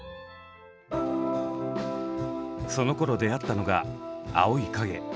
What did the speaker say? そのころ出会ったのが「青い影」。